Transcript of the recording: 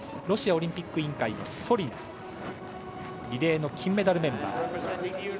ロシアオリンピック委員会のソリナはリレーの金メダルメンバー。